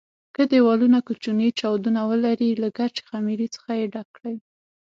که دېوالونه کوچني چاودونه ولري له ګچ خمېرې څخه یې ډک کړئ.